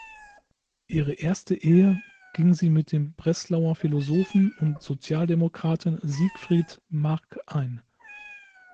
Ihre erste Ehe ging sie mit dem Breslauer Philosophen und Sozialdemokraten Siegfried Marck ein.